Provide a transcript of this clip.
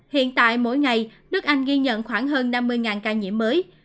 hiện tại mỗi ngày nước anh ghi nhận khoảng hơn năm mươi ca nhiễm mới